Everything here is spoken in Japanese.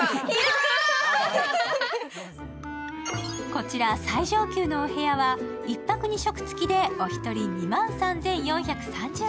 こちら最上級のお部屋は、１泊２食付きでお一人２万３４３０円。